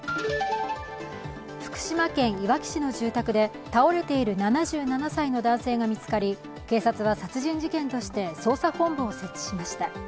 福島県いわき市の住宅で倒れている７７歳の男性が見つかり警察は殺人事件として捜査本部を設置しました。